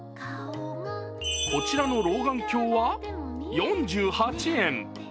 こちらの老眼鏡は４８円。